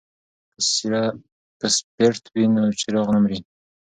که سپیرټ وي نو څراغ نه مري.